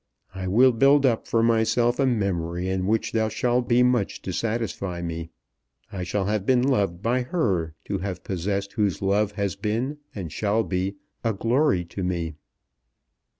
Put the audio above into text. I will build up for myself a memory in which there shall be much to satisfy me. I shall have been loved by her to have possessed whose love has been and shall be a glory to me."